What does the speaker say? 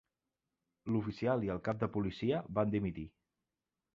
L'oficial i el cap de policia van dimitir.